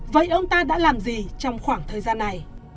vậy ông ta đã làm gì trong khoảng thời gian này